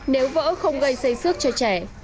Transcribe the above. nếu vỡ không gây xây xước cho trẻ